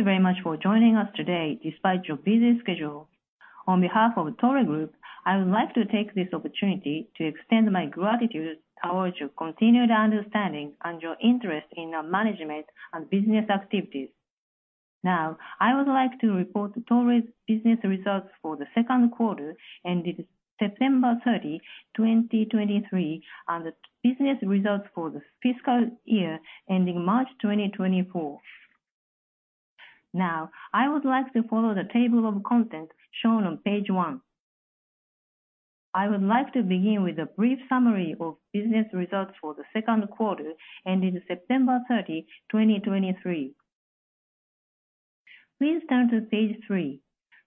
Thank you very much for joining us today despite your busy schedule. On behalf of Toray Group, I would like to take this opportunity to extend my gratitude towards your continued understanding and your interest in our management and business activities. Now, I would like to report Toray's business results for the Q2, ending September 30, 2023, and the business results for the fiscal year ending March 2024. Now, I would like to follow the table of contents shown on page one. I would like to begin with a brief summary of business results for the Q2, ending September 30, 2023. Please turn to page three.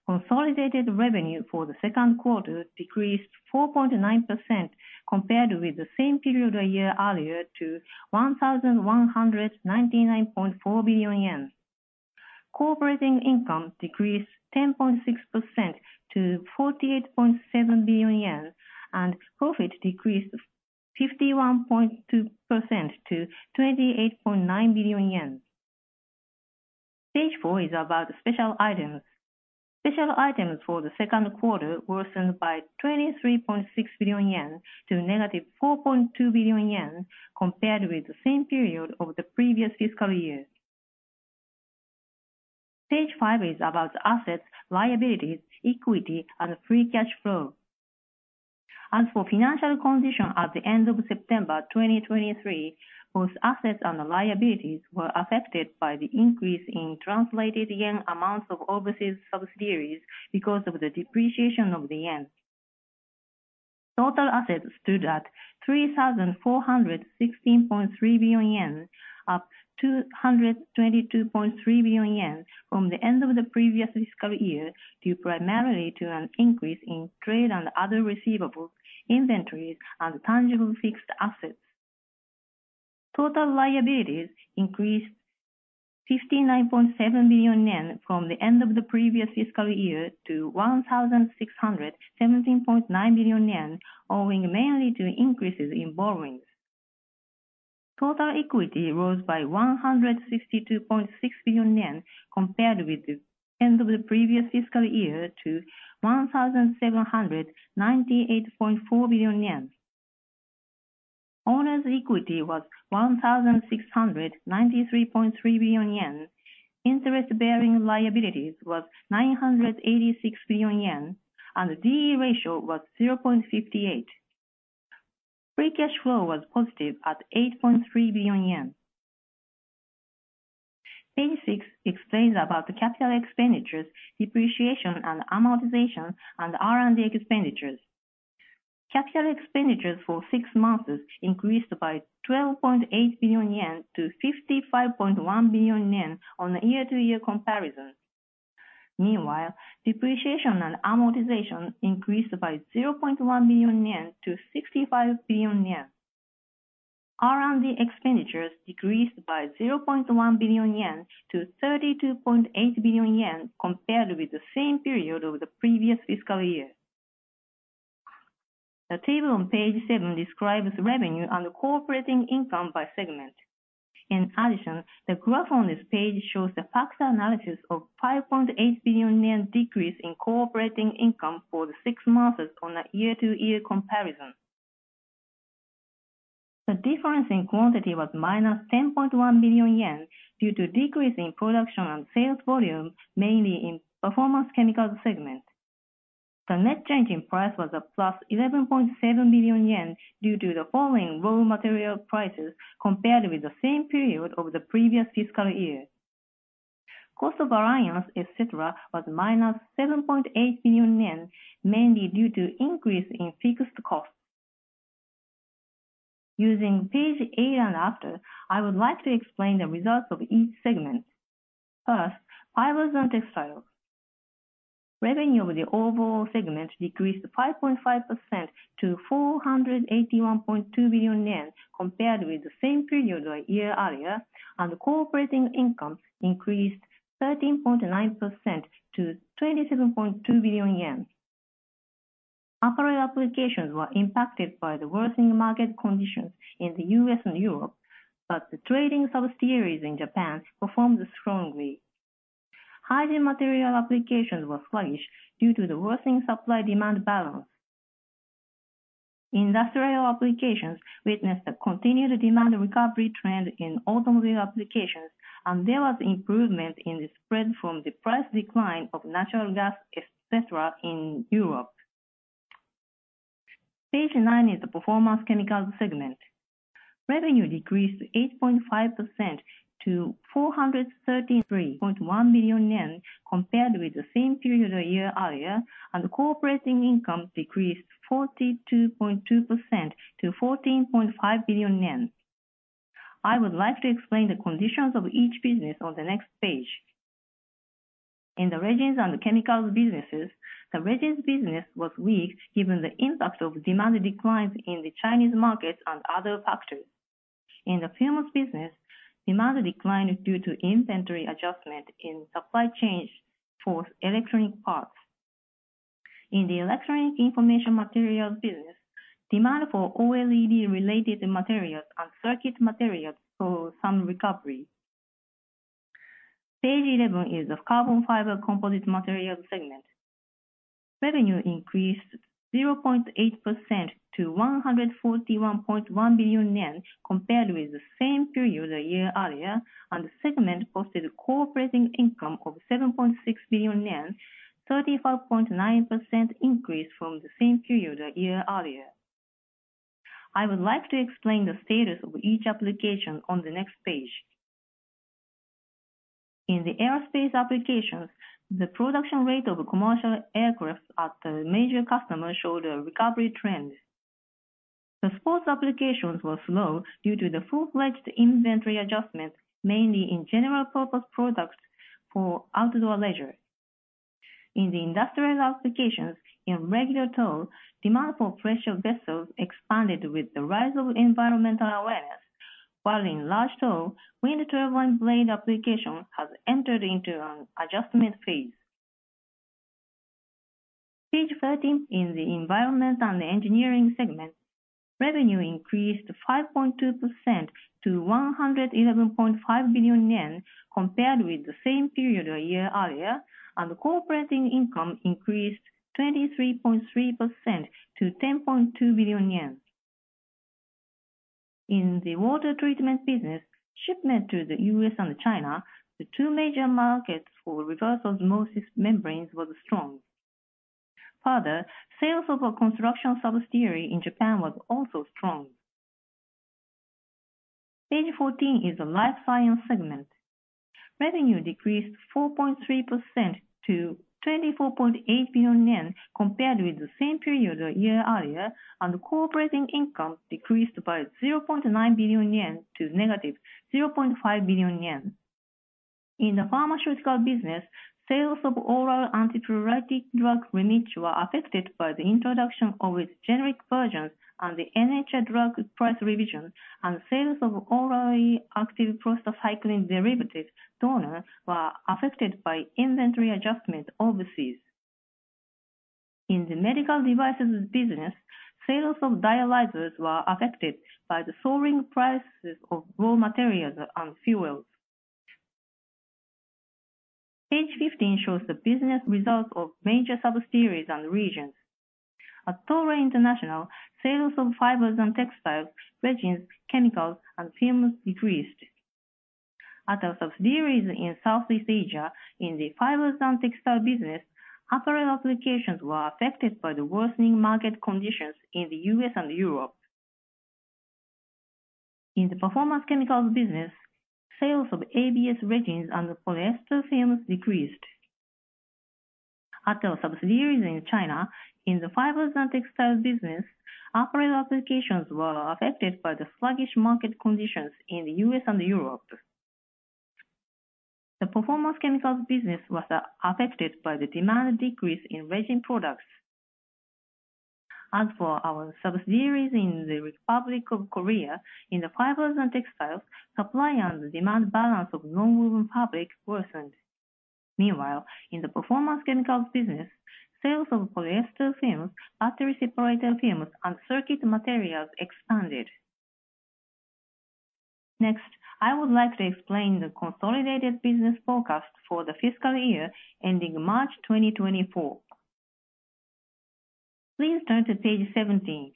Consolidated revenue for the Q2 decreased 4.9% compared with the same period a year earlier, to 1,199.4 billion yen. Core operating income decreased 10.6% to 48.7 billion yen, and profit decreased 51.2% to 28.9 billion yen. Page four is about special items. Special items for the Q2 worsened by 23.6 billion yen to -4.2 billion yen, compared with the same period of the previous fiscal year. Page five is about assets, liabilities, equity, and free cash flow. As for financial condition at the end of September 2023, both assets and liabilities were affected by the increase in translated yen amounts of overseas subsidiaries because of the depreciation of the yen. Total assets stood at 3,416.3 billion yen, up 222.3 billion yen from the end of the previous fiscal year, due primarily to an increase in trade and other receivables, inventories, and tangible fixed assets. Total liabilities increased 59.7 billion yen from the end of the previous fiscal year to 1,617.9 billion yen, owing mainly to increases in borrowings. Total equity rose by 162.6 billion yen, compared with the end of the previous fiscal year, to 1,798.4 billion yen. Owner's equity was 1,693.3 billion yen. Interest-bearing liabilities was 986 billion yen, and the DE ratio was 0.58. Free cash flow was positive at 8.3 billion yen. page six explains about the capital expenditures, depreciation and amortization, and R&D expenditures. Capital expenditures for six months increased by 12.8 billion yen to 55.1 billion yen on a year-to-year comparison. Meanwhile, depreciation and amortization increased by 0.1 billion yen to 65 billion yen. R&D expenditures decreased by 0.1 billion yen to 32.8 billion yen compared with the same period of the previous fiscal year. The table on page seven describes revenue and operating income by segment. In addition, the graph on this page shows the factor analysis of 5.8 billion yen decrease in operating income for the six months on a year-to-year comparison. The difference in quantity was -10.1 billion yen, due to decrease in production and sales volume, mainly in performance chemicals segment. The net change in price was +11.7 billion yen, due to the falling raw material prices compared with the same period of the previous fiscal year. Cost variance, et cetera, was -7.8 billion yen, mainly due to increase in fixed costs. Using page eight and after, I would like to explain the results of each segment. First, fibers and textiles. Revenue of the overall segment decreased 5.5% to 481.2 billion yen, compared with the same period a year earlier, and operating income increased 13.9% to 27.2 billion yen. Apparel applications were impacted by the worsening market conditions in the U.S. and Europe, but the trading subsidiaries in Japan performed strongly. Hygiene material applications were sluggish due to the worsening supply/demand balance. Industrial applications witnessed a continued demand recovery trend in automobile applications, and there was improvement in the spread from the price decline of natural gas, et cetera, in Europe. page nine is the performance chemicals segment. Revenue decreased 8.5% to 433.1 billion yen, compared with the same period a year earlier, and operating income decreased 42.2% to 14.5 billion yen. I would like to explain the conditions of each business on the next page. In the resins and chemicals businesses, the resins business was weak, given the impact of demand declines in the Chinese markets and other factors. In the films business, demand declined due to inventory adjustment in supply chains for electronic parts. In the electronic information materials business, demand for OLED related materials and circuit materials show some recovery. page 11 is the carbon fiber composite materials segment. Revenue increased 0.8% to 141.1 billion yen compared with the same period a year earlier, and the segment posted a core operating income of 7.6 billion yen, 35.9% increase from the same period a year earlier. I would like to explain the status of each application on the next page. In the aerospace applications, the production rate of commercial aircraft at the major customer showed a recovery trend. The sports applications were slow due to the full-fledged inventory adjustments, mainly in general purpose products for outdoor leisure. In the industrial applications, in regular tow, demand for pressure vessels expanded with the rise of environmental awareness, while in large tow, wind turbine blade application has entered into an adjustment phase. page 13, in the environment and engineering segment, revenue increased 5.2% to 111.5 billion yen compared with the same period a year earlier, and the core operating income increased 23.3% to 10.2 billion yen. In the water treatment business, shipment to the U.S. and China, the two major markets for reverse osmosis membranes, was strong. Further, sales of our construction subsidiary in Japan was also strong. page 14 is the life science segment. Revenue decreased 4.3% to 24.8 billion yen compared with the same period a year earlier, and core operating income decreased by 0.9 billion yen to -0.5 billion yen. In the pharmaceutical business, sales of oral antipruritic drug, REMITCH, were affected by the introduction of its generic versions and the NHI drug price revision, and sales of orally active prostacyclin derivative, DORNER, were affected by inventory adjustments overseas. In the medical devices business, sales of dialyzers were affected by the soaring prices of raw materials and fuels. page 15 shows the business results of major subsidiaries and regions. At Toray International, sales of fibers and textiles, resins, chemicals, and films decreased. At our subsidiaries in Southeast Asia, in the fibers and textiles business, apparel applications were affected by the worsening market conditions in the U.S. and Europe. In the performance chemicals business, sales of ABS resins and polyester films decreased. At our subsidiaries in China, in the fibers and textiles business, apparel applications were affected by the sluggish market conditions in the U.S. and Europe. The performance chemicals business was affected by the demand decrease in resin products. As for our subsidiaries in the Republic of Korea, in the fibers and textiles, supply and demand balance of nonwoven fabric worsened. Meanwhile, in the performance chemicals business, sales of polyester films, battery separator films, and circuit materials expanded. Next, I would like to explain the consolidated business forecast for the fiscal year ending March 2024. Please turn to page 17.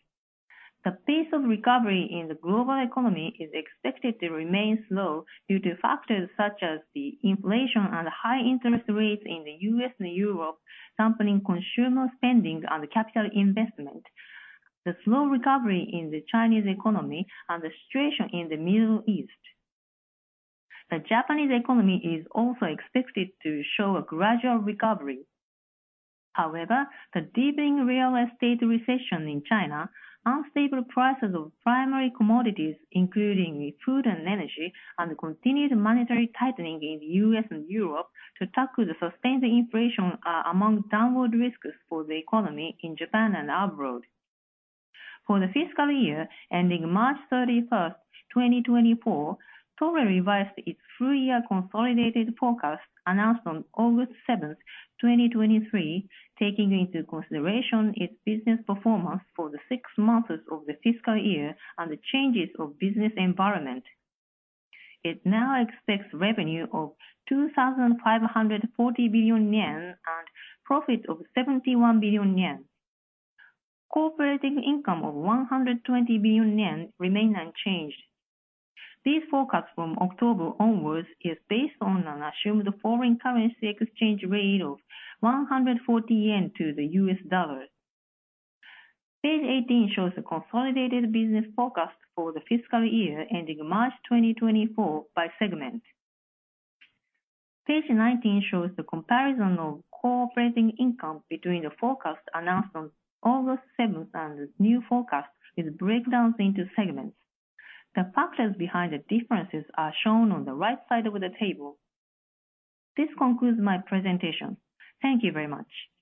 The pace of recovery in the global economy is expected to remain slow due to factors such as the inflation and high interest rates in the U.S. and Europe, dampening consumer spending and capital investment, the slow recovery in the Chinese economy, and the situation in the Middle East. The Japanese economy is also expected to show a gradual recovery. However, the deepening real estate recession in China, unstable prices of primary commodities, including food and energy, and the continued monetary tightening in the U.S. and Europe to tackle the sustained inflation are among downward risks for the economy in Japan and abroad. For the fiscal year ending March 31, 2024, Toray revised its full year consolidated forecast announced on August 7, 2023, taking into consideration its business performance for the six months of the fiscal year and the changes of business environment. It now expects revenue of 2,540 billion yen and profit of 71 billion yen. Core operating income of 120 billion yen remain unchanged. These forecasts from October onwards is based on an assumed foreign currency exchange rate of 140 yen to the U.S. dollar. page 18 shows the consolidated business forecast for the fiscal year ending March 2024 by segment. page 19 shows the comparison of core operating income between the forecast announced on August 7 and the new forecast, with breakdowns into segments. The factors behind the differences are shown on the right side of the table. This concludes my presentation. Thank you very much.